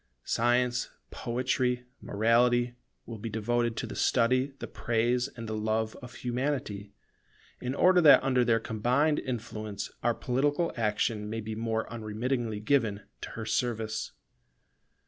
Science, Poetry, Morality, will be devoted to the study, the praise, and the love of Humanity, in order that under their combined influence, our political action may be more unremittingly given to her service.